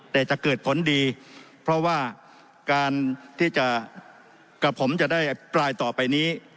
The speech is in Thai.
แต่จะเกิดผลดีเพราะว่ากับผมจะได้ปลายต่อไปนี้